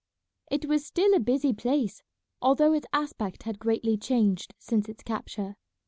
It was still a busy place, although its aspect had greatly changed since its capture.